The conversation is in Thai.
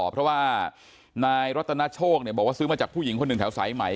เพราะว่านายรัตนโชคบอกว่าซื้อมาจากผู้หญิงคนหนึ่งแถวสายไหม